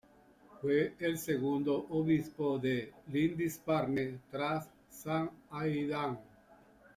Fue el segundo obispo de Lindisfarne, tras San Aidan.